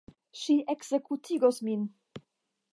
Ŝi ekzekutigos min.